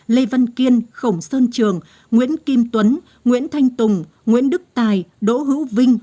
lê văn kiên khổng sơn trường nguyễn kim tuấn nguyễn thanh tùng nguyễn đức tài đỗ hữu vinh